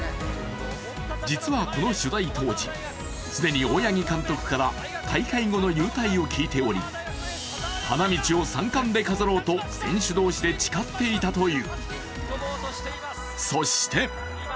実はこの取材当時、既に大八木監督から大会後の勇退を聞いており花道を３冠で飾ろうと選手同士で誓っていたという。